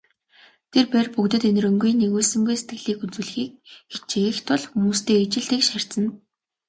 Тэр бээр бүгдэд энэрэнгүй, нигүүлсэнгүй сэтгэлийг үзүүлэхийг хичээх тул хүмүүстэй ижил тэгш харьцана.